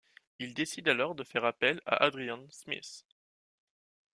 Il décide alors de faire appel à Adrian Smith.